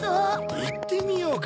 いってみようか。